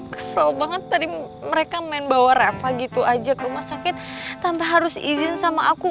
kesel banget tadi mereka main bawa reva gitu aja ke rumah sakit tanpa harus izin sama aku